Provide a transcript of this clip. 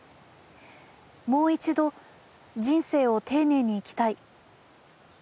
「もう一度人生を丁寧に生きたい。